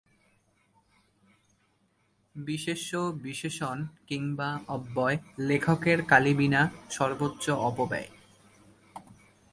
এ সিরিজটি এক মৌসুম প্রচারিত হয়েছিল।